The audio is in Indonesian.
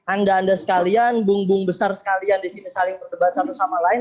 anda anda sekalian bung bung besar sekalian di sini saling berdebat satu sama lain